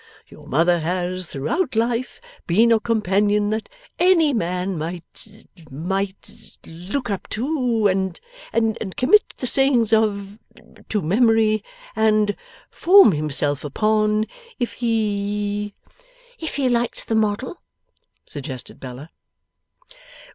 Your mother has, throughout life, been a companion that any man might might look up to and and commit the sayings of, to memory and form himself upon if he ' 'If he liked the model?' suggested Bella.